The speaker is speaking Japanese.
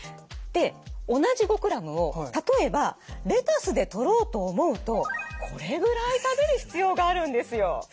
で同じ５ｇを例えばレタスでとろうと思うとこれぐらい食べる必要があるんですよ。